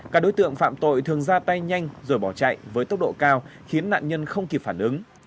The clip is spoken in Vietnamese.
các đối tượng phạm tội thường ra tay nhanh rồi bỏ chạy với tốc độ cao khiến nạn nhân không kịp phản ứng